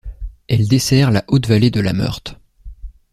Elle dessert la haute vallée de la Meurthe.